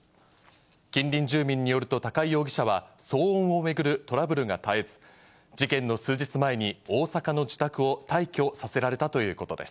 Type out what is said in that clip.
近隣住民によると、高井容疑者は騒音を巡るトラブルが絶えず、事件の数日前に大阪の自宅を退去させられたということです。